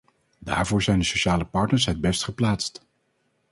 Daarvoor zijn de sociale partners het best geplaatst.